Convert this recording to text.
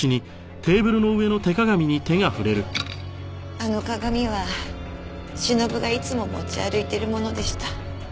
あの鏡はしのぶがいつも持ち歩いているものでした。